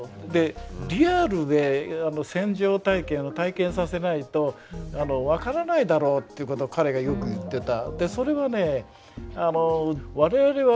リアルで戦場体験を体験させないと分からないだろうっていうことを彼がよく言ってた。